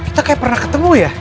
kita kayak pernah ketemu ya